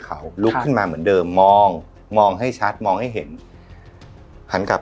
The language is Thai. เขาลุกขึ้นมาเหมือนเดิมมองมองให้ชัดมองให้เห็นหันกลับ